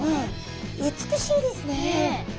美しいですね。